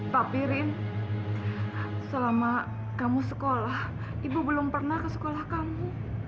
pak pirin selama kamu sekolah ibu belum pernah ke sekolah kamu